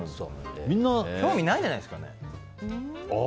みんな興味ないんじゃないですかね。